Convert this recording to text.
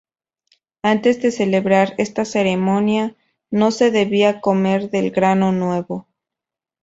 Antes de celebrar esta ceremonia no se debía comer del grano nuevo.